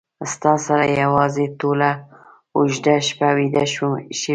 ستا سره یو ځای ټوله اوږده شپه ویده شوی وم